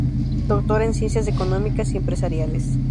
Doctora en Ciencias Económicas y Empresariales.